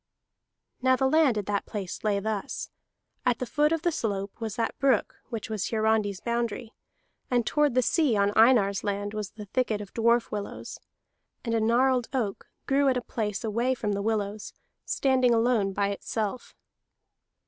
Now the land at that place lay thus. At the foot of the slope was that brook which was Hiarandi's boundary, and toward the sea on Einar's land was the thicket of dwarf willows. And a gnarled oak grew at a place away from the willows, standing alone by itself.